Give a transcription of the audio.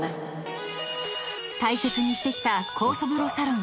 ［大切にしてきた酵素風呂サロン